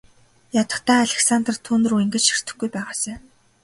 Ядахдаа Алекс түүнрүү ингэж ширтэхгүй байгаасай.